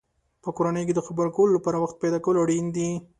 په کورنۍ کې د خبرو کولو لپاره وخت پیدا کول اړین دی.